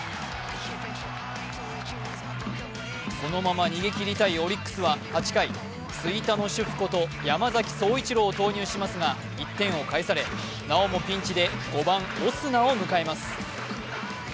そのまま逃げ切りたいオリックスは８回、吹田の主婦こと山崎颯一郎を投入しますが１点を返されなおもピンチで５番・オスナを迎えます。